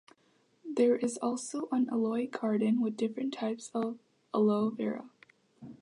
There is also an Aloe Garden with different types of "Aloe vera".